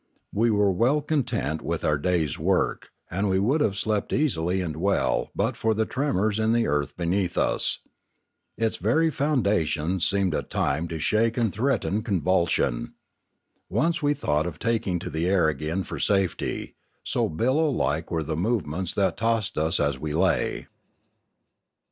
We were well content with our day's work; and we would have slept easily and well but for the tremors in the earth beneath us. Its very foundations seemed at times to shake and threaten con vulsion. Once we thought of taking to the air again for safety, so billow like were the movements that tossed us as we lay.